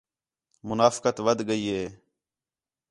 منافقت ودھ ڳئی ہِے